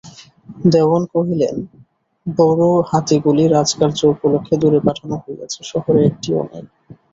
দেওয়ান কহিলেন, বড়ো হাতিগুলি রাজকার্য উপলক্ষে দূরে পাঠানো হইয়াছে, শহরে একটিও নাই।